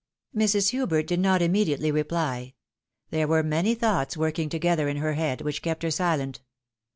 Mrs. Hubert did not immediately reply ; there were many thoughts working together in her head, which kept her silent.